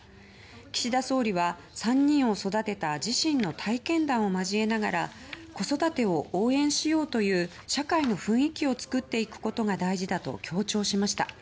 岸田総理は３人を育てた自身の体験談を交えながら子育てを応援しようという社会の雰囲気を作っていくことが大事だと強調しました。